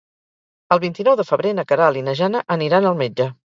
El vint-i-nou de febrer na Queralt i na Jana aniran al metge.